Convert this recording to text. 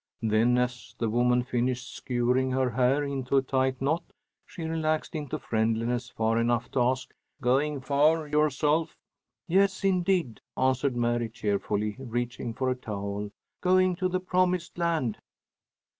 Then as the woman finished skewering her hair into a tight knot she relaxed into friendliness far enough to ask, "Going far yourself?" "Yes, indeed!" answered Mary, cheerfully, reaching for a towel. "Going to the Promised Land."